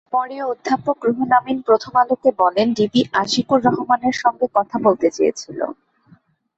পরে অধ্যাপক রুহুল আমিন প্রথম আলোকে বলেন, ‘ডিবি আশিকুর রহমানের সঙ্গে কথা বলতে চেয়েছিল।